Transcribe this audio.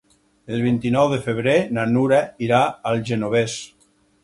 El vint-i-nou de febrer na Nura irà al Genovés.